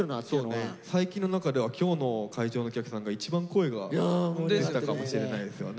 最近の中では今日の会場のお客さんが一番声が出てたかもしれないですよね。